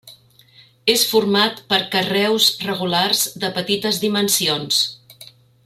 És format per carreus regulars de petites dimensions.